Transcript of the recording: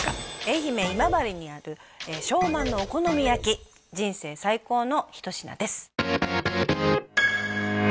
愛媛今治にある昌万のお好み焼き人生最高の一品です